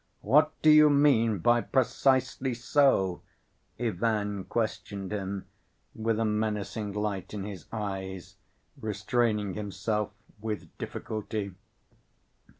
"What do you mean by 'precisely so'?" Ivan questioned him, with a menacing light in his eyes, restraining himself with difficulty.